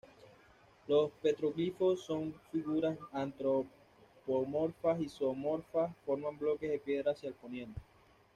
Los petroglifos, con figuras antropomorfas y zoomorfas, forman bloques de piedra hacia el poniente.